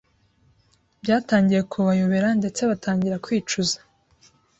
Byatangiye kubayobera ndetse batangira kwicuza